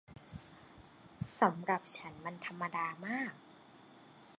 สำหรับฉันมันธรรมดามาก